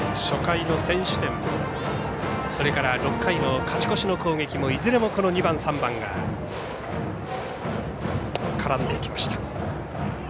初回の先取点、６回の勝ち越しの攻撃もいずれも２番、３番が絡んでいきました。